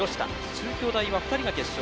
中京大は２人が決勝。